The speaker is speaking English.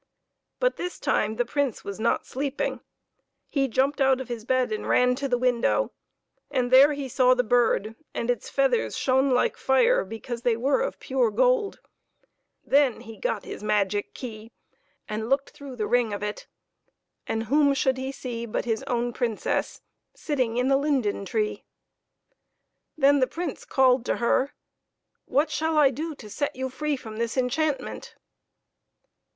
But this time the Prince was not sleeping. He jumped out of his bed and ran to the window, and there he saw the bird, and its feathers shone like fire because they were of pure gold. Then he got his magic key and looked through the ring of it, and whom should he see but his own Princess sitting in the linden tree. 9& PEPPER AND SALT. Then the Prince called to her, " What shall I do to set you free from this enchant ment?"